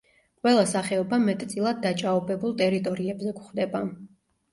ყველა სახეობა მეტწილად დაჭაობებულ ტერიტორიებზე გვხვდება.